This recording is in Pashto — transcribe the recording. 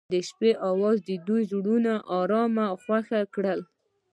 د شپه اواز د دوی زړونه ارامه او خوښ کړل.